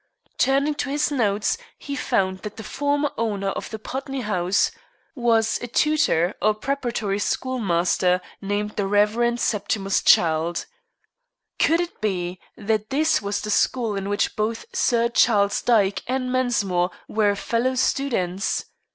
Turning to his notes, he found that the former owner of the Putney house was a tutor or preparatory schoolmaster, named the Rev. Septimus Childe. Could it be that this was the school in which both Sir Charles Dyke and Mensmore were fellow students?